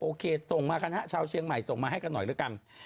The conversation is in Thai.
ส่งมากันฮะชาวเชียงใหม่ส่งมาให้กันหน่อยแล้วกัน